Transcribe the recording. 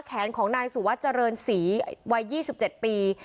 แขนของนายสุวัสดิเจริญศรีวัย๒๗ปี